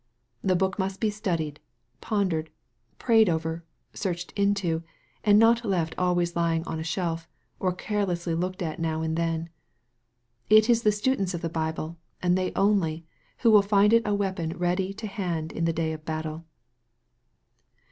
The book must be studied, pondered, prayed over, searched into, and not left always lying on a shelf, or carelessly looked at now and then. It is the students of the Bible, and they only, who will find it a weapon ready to hand in the day of battle.